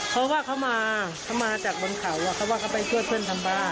เพราะว่าเขามาเขามาจากบนเขาเขาว่าเขาไปช่วยเพื่อนทำบ้าน